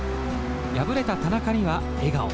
敗れた田中には笑顔。